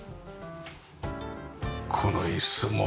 この椅子も。